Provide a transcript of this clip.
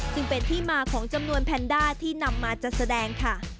ซึ่งเป็นที่มาของจำนวนแพนด้าที่นำมาจัดแสดงค่ะ